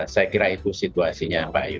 saya kira itu situasinya pak ayu